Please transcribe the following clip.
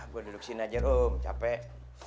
gue duduk sini aja rum capek